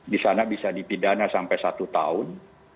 disana bisa dipidana sampai satu tahun